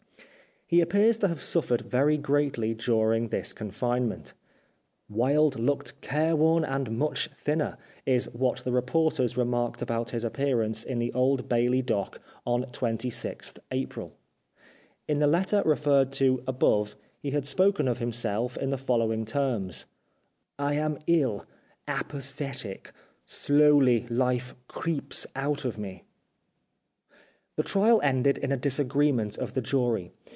He appears to have suffered very greatly during this confinement. " Wilde looked care worn and much thinner " is what the reporters remarked about his appearance in the Old Bailey dock on 26th April. In the letter re ferred to above he had spoken of himself in the following terms :" I am ill — apathetic. Slowly life creeps out of me." The trial ended in a disagreement of the jury.